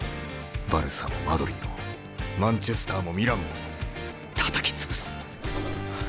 バルサもマドリーもマンチェスターもミランもたたき潰す。